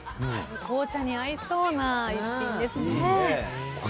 紅茶に合いそうな逸品ですね。